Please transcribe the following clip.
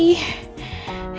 ya allah kuatkanlah hamba